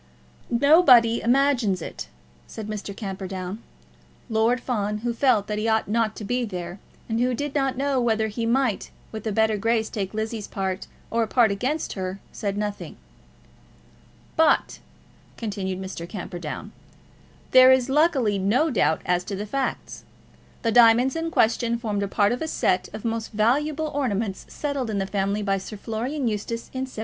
"Nobody imagines it," said Mr. Camperdown. Lord Fawn, who felt that he ought not to be there, and who did not know whether he might with a better grace take Lizzie's part or a part against her, said nothing. "But," continued Mr. Camperdown, "there is luckily no doubt as to the facts. The diamonds in question formed a part of a set of most valuable ornaments settled in the family by Sir Florian Eustace in 1799.